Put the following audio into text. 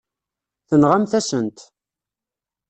Tenɣamt-asen-t.